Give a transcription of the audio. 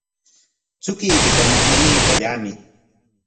Chukuykita mañaykallamay.